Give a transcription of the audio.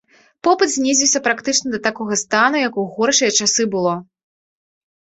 Попыт знізіўся практычна да такога стану, як у горшыя часы было.